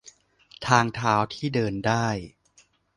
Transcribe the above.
- ทางเท้าที่เดินได้